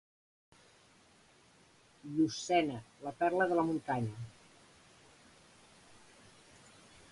Llucena, la perla de la muntanya.